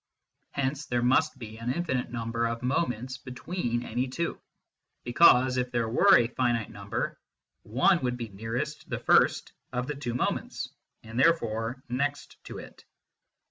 Hence there must be an infinite number of moments between any two ; because if there were a finite number one would be nearest the first of the two moments, and therefore next to it.